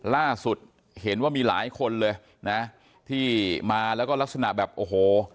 ล่าสุดเห็นว่ามีหลายคนเลยนะที่มาแล้วก็ลักษณะแบบโอ้โห